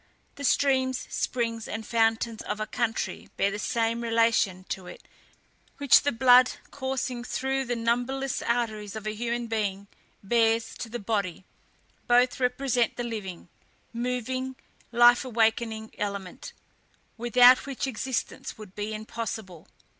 The streams, springs, and fountains of a country bear the same relation to it which the blood, coursing through the numberless arteries of a human being, bears to the body; both represent the living, moving, life awakening element, without which existence would be impossible.